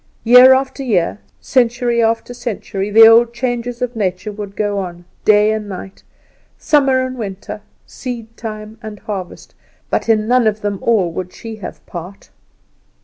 Year after year, century after century, the old changes of nature would go on, day and night, summer and winter, seed time and harvest; but in none of them all would she have part!